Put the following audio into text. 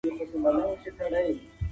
تخنیکي پرمختګ د پوهانو د هڅو ثمره ده.